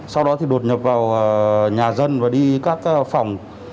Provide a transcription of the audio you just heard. sau đó thì đột nhập vào nhà dân và đi các phòng